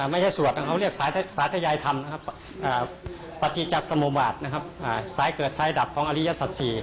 ไม่ใช่สวดเขาเรียกสายทะยายธรรมปฏิจัสสมวาสสายเกิดสายดับของอริยสัตว์ศรี